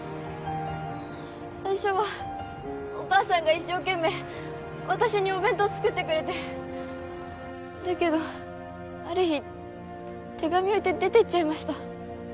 最初はお母さんが一生懸命私にお弁当作ってくれてだけどある日手紙置いて出ていっちゃいました